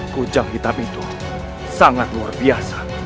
kujang hitam itu sangat luar biasa